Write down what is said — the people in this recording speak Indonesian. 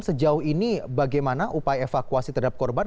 sejauh ini bagaimana upaya evakuasi terhadap korban